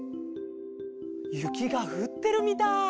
ゆきがふってるみたい。